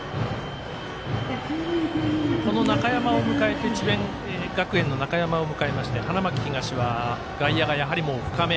この智弁学園の中山を迎えて花巻東は外野がやはり深め。